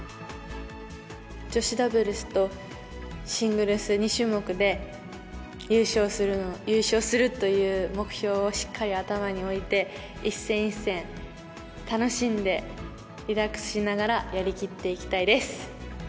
女子ダブルスとシングルス２種目で優勝するという目標をしっかり頭に置いて、一戦一戦、楽しんでリラックスしながらやりきっていきたいです。